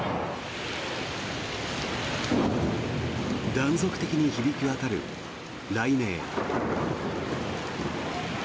断続的に響き渡る雷鳴。